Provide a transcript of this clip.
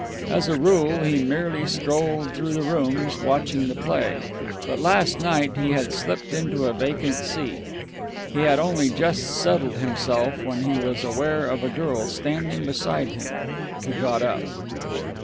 As a rule, he merely strolled through the rooms, watching the play; but last night he had slipped into a vacant seat. He had only just settled himself when he was aware of a girl standing beside him. He got up.